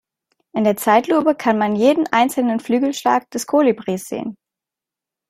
In der Zeitlupe kann man jeden einzelnen Flügelschlag des Kolibris sehen.